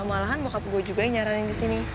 malahan bokap gue juga yang nyaranin disini